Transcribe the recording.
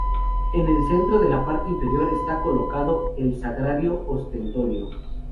En el centro de la parte inferior está colocado el sagrario-ostensorio.